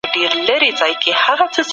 د نورو په خبرو پسي مه ګرځئ.